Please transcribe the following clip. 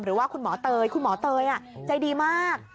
หรือว่าคุณหมอเตยคุณหมอเตยใจดีมาก